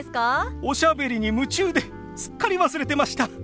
おしゃべりに夢中ですっかり忘れてました。